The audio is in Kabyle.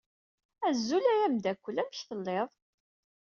Azul a ameddakel. Amek tellid?